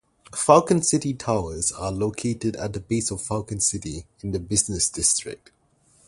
Falconcity Towers are located at the base of Falconcity, in the business district.